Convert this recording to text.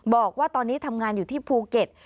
บอกว่าตอนนี้ทำงานอยู่ที่ภูเก็ต